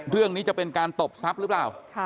เรื่องนี้จะเป็นการตบทรัพย์หรือเปล่า